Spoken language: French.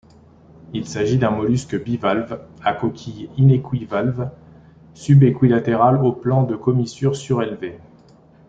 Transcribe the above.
Il s'agit d'un mollusque bivalve à coquille inéquivalve, sub-équilatérale au plan de commissure surélevé.